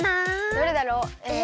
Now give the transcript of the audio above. どれだろう？